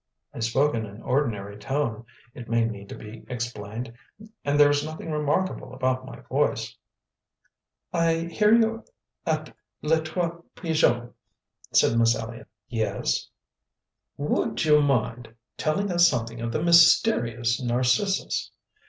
(I spoke in an ordinary tone, it may need to be explained, and there is nothing remarkable about my voice). "I hear you're at Les Trois Pigeons," said Miss Elliott. "Yes?" "WOULD you mind telling us something of the MYSTERIOUS Narcissus?"